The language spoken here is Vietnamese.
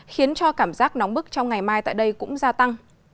khiến cho cảm giác nóng bức trong ngày mai tại đây cũng gia tăng